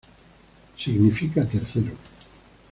Significa tercero.